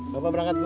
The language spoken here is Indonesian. bapak berangkat bu